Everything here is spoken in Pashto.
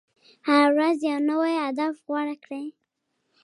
هره ورځ یو نوی هدف غوره کړئ.